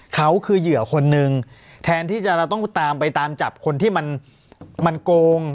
เขาคือเหยื่อคนนึงแทนที่เราต้องตามไปตามจับคนที่มันโกง